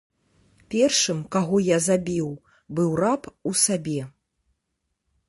Першым, каго я забіў, быў раб у сабе.